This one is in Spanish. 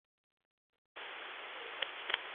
La estructura es de muros de carga y madera.